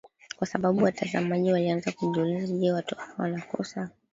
kwa sababu watazamaji walianza kujiuliza Je watu hao wana kosa